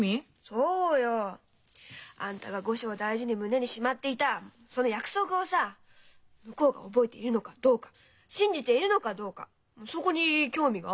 そうよあんたが後生大事に胸にしまっていたその約束をさ向こうが覚えているのかどうか信じているのかどうかそこに興味があるの。